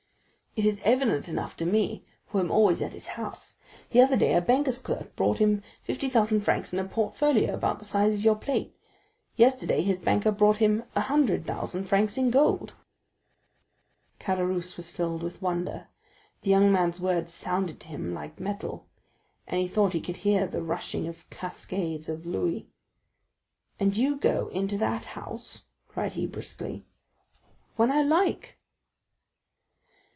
"It is evident enough to me, who am always at his house. The other day a banker's clerk brought him fifty thousand francs in a portfolio about the size of your plate; yesterday his banker brought him a hundred thousand francs in gold." Caderousse was filled with wonder; the young man's words sounded to him like metal, and he thought he could hear the rushing of cascades of louis. "And you go into that house?" cried he briskly. "When I like."